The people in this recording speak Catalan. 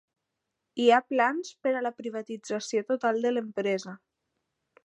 Hi ha plans per a la privatització total de l'empresa.